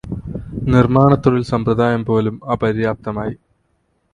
നിർമാണത്തൊഴിൽ സമ്പ്രദായം പോലും അപര്യാപ്തമായി.